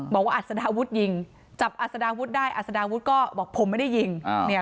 อัศดาวุฒิยิงจับอัศดาวุฒิได้อัศดาวุฒิก็บอกผมไม่ได้ยิงเนี่ย